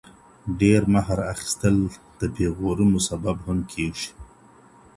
ډير مهر اخيستل د پيغورونو سبب هم کيږي.